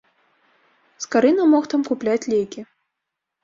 Скарына мог там купляць лекі.